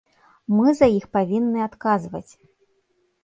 Мы за іх павінны адказваць.